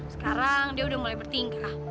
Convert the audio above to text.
sekarang dia udah mulai bertingkah